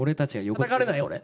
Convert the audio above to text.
たたかれない、俺？